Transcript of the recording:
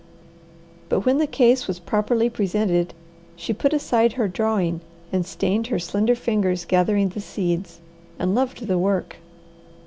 But when the case was properly presented, she put aside her drawing and stained her slender fingers gathering the seeds, and loved the work.